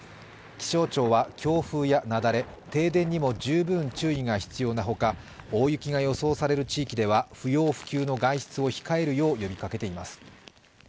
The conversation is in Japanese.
気象庁は強風や雪崩、停電にも十分注意が必要なほか大雪が予想される地域では、不要不急の外出を控えるよう呼びかけています。